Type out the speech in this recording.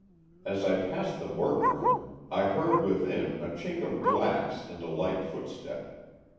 As I passed the workroom, I heard within a chink of glass and a light footstep.